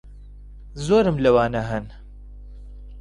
زۆرم لەوانە ھەن.